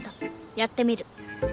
やってみる。